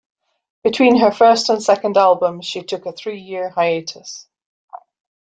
Between her first and second albums, she took a three-year hiatus.